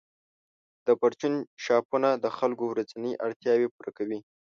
د پرچون شاپونه د خلکو ورځنۍ اړتیاوې پوره کوي.